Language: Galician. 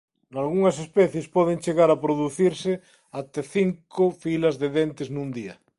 Nalgunhas especies poden chegar a producirse ata cinco filas de dentes nun día.